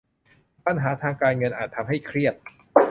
ปัญหาทางการเงินอาจทำให้เครียด